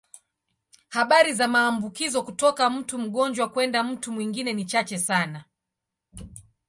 Habari za maambukizo kutoka mtu mgonjwa kwenda mtu mwingine ni chache sana.